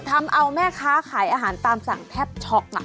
ทำเอาแม่ค้าขายอาหารตามสั่งแทบช็อก